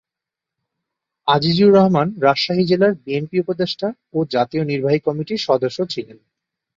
আজিজুর রহমান রাজশাহী জেলা বিএনপির উপদেষ্টা ও জাতীয় নির্বাহী কমিটির সদস্য ছিলেন।